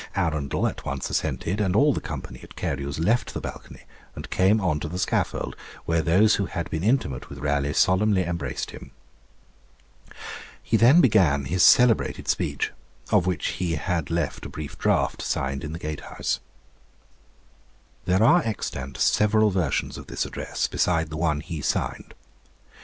Arundel at once assented, and all the company at Carew's left the balcony, and came on to the scaffold, where those who had been intimate with Raleigh solemnly embraced him. He then began his celebrated speech, of which he had left a brief draft signed in the Gate House. There are extant several versions of this address, besides the one he signed.